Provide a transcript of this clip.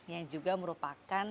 yang juga merupakan